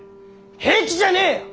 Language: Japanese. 平気じゃねえよ！